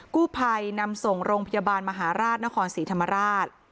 กู้ภัยนำส่งโรงพยาบาลมหาราชนครศรีธรรมราช